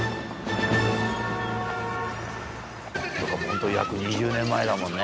そうかホント約２０年前だもんね。